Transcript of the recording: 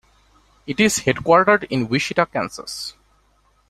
It is headquartered in Wichita, Kansas.